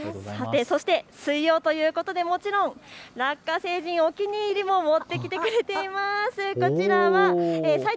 さて水曜ということでもちろんラッカ星人、お気に入りを持ってきてくれています。